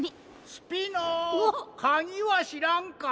・スピノかぎはしらんか？